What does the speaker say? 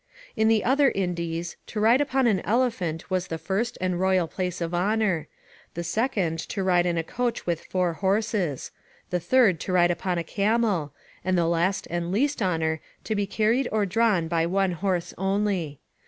In the other Indies, to ride upon an elephant was the first and royal place of honour; the second to ride in a coach with four horses; the third to ride upon a camel; and the last and least honour to be carried or drawn by one horse only.